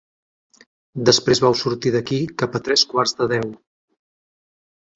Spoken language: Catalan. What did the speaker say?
Després vau sortir d'aquí cap a tres quarts de deu.